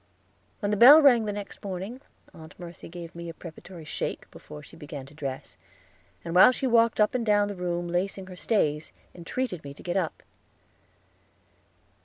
When the bell rang the next morning, Aunt Mercy gave me a preparatory shake before she began to dress, and while she walked up and down the room lacing her stays entreated me to get up.